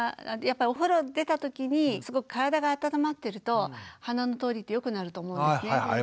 やっぱりお風呂を出たときにすごく体が温まってると鼻の通りって良くなると思うんですね。